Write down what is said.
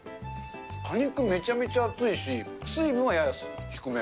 果肉、めちゃめちゃ厚いし、水分はやや低め。